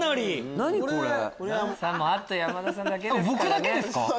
あとは山田さんだけですから。